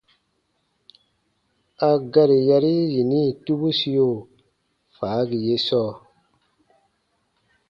A gari yari yini tubusio faagi ye sɔɔ :